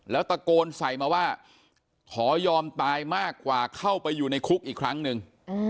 แล้วตะโกนใส่มาว่าขอยอมตายมากกว่าเข้าไปอยู่ในคุกอีกครั้งหนึ่ง